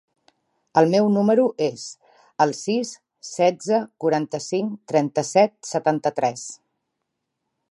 El meu número es el sis, setze, quaranta-cinc, trenta-set, setanta-tres.